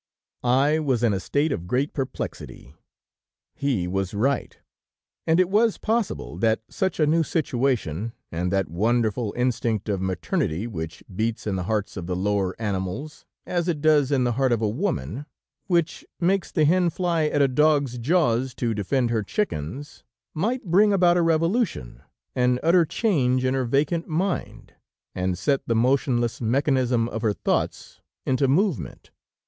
"I was in a state of great perplexity. He was right, and it was possible that such a new situation, and that wonderful instinct of maternity which beats in the hearts of the lower animals, as it does in the heart of a woman, which makes the hen fly at a dog's jaws to defend her chickens, might bring about a revolution, an utter change in her vacant mind, and set the motionless mechanism of her thoughts into movement.